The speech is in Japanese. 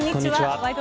「ワイド！